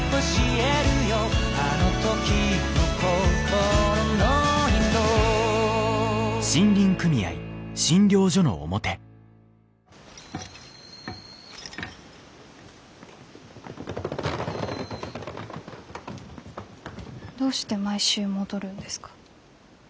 「あの時の心の色」どうして毎週戻るんですか？